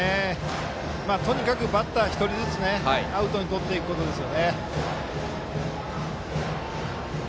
とにかくバッター１人ずつアウトにとっていくことです。